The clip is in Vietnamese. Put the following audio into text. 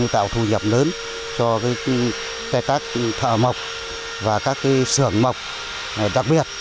tạo thu nhập lớn cho các thợ mộc và các sưởng mộc đặc biệt